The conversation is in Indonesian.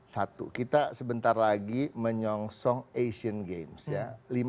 satu kita sebentar lagi menyongsong asian games ya